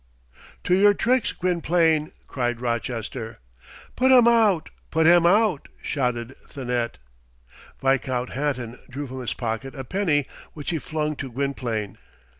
"To your tricks, Gwynplaine!" cried Rochester. "Put him out, put him out!" shouted Thanet. Viscount Hatton drew from his pocket a penny, which he flung to Gwynplaine.